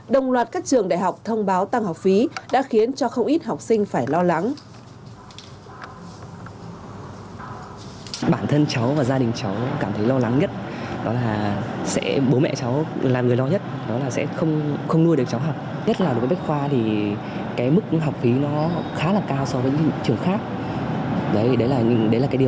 đồng loạt các trường đại học thông báo tăng học phí đã khiến cho không ít học sinh phải lo lắng